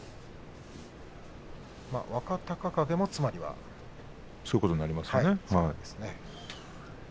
若隆景もそういうことになりますね。